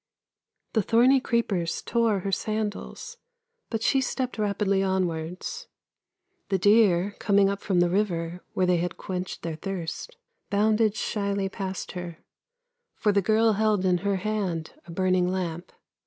The thorny creepers tore her sandals, but she stepped rapidly onwards. The deer coming up from the river where they had quenched their thirst, bounded shyly past her, for the girl held in her hand a burning lamp.